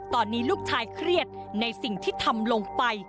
ตอนนี้ลูกชายเครียดในสิ่งที่ทำลงไป